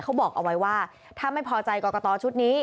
เขาบอกเอาไว้ว่าถ้าไม่พอใจกรกตชุดนี้